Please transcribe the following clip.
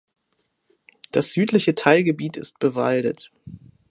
Das südliche Teilgebiet ist bewaldet.